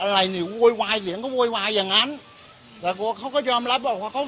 อะไรเนี่ยโวยวายเสียงเขาโวยวายอย่างงั้นแต่เขาก็ยอมรับว่าเขา